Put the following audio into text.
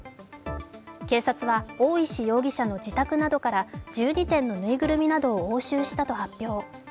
警察は大石容疑者の自宅などから１２点のぬいぐるみなどを押収したと発表。